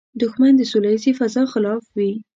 دښمن د سولیزې فضا خلاف وي